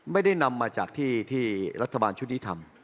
ไม่ได้นำมาจากที่รัฐบาลชุดนี้ทำ